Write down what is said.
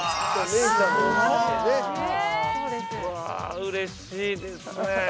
◆うれしいですね。